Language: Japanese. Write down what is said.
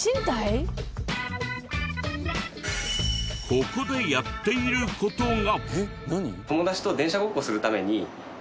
ここでやっている事が。